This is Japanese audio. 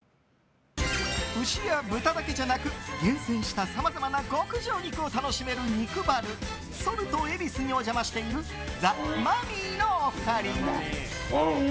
牛や豚だけじゃなく厳選した、さまざまな極上肉を楽しめる肉バルＳａｌｔ恵比寿にお邪魔しているザ・マミィのお二人。